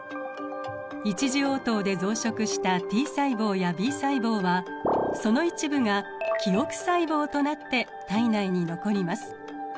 一次応答で増殖したＴ細胞やＢ細胞はその一部が記憶細胞となって体内に残ります。